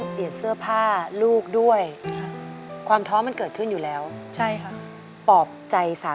เปลี่ยนเพลงเพลงเก่งของคุณและข้ามผิดได้๑คำ